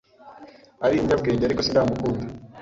Ari umunyabwenge, ariko sindamukunda.